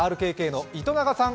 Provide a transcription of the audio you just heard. ＲＫＫの糸永さん。